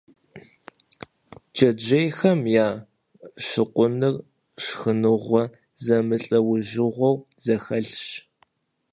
Джэджьейхэм я щыкъуныр шхыныгъуэ зэмылӀэужьыгъуэу зэхэлъщ.